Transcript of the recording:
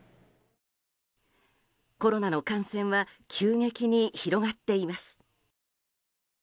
コロナの感染は急激に広がっています。